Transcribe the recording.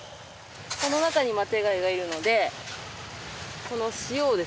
この中にマテガイがいるので。